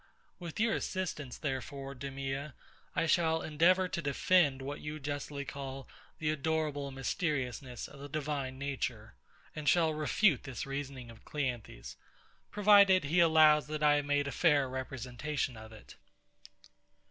With your assistance, therefore, DEMEA, I shall endeavour to defend what you justly call the adorable mysteriousness of the Divine Nature, and shall refute this reasoning of CLEANTHES, provided he allows that I have made a fair representation of it.